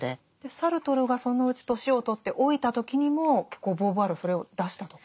サルトルがそのうち年を取って老いた時にも結構ボーヴォワールはそれを出したとか。